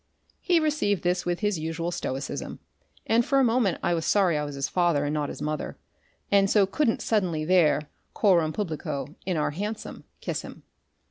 He received this with his usual stoicism, and for a moment I was sorry I was his father and not his mother, and so couldn't suddenly there, coram publico, in our hansom, kiss him.